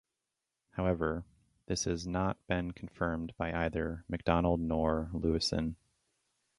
However, this has not been confirmed by either MacDonald nor Lewisohn.